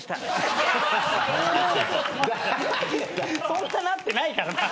そんななってないから！